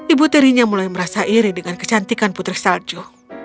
ibu tirinya mulai merasa iri dengan kecantikan putri salju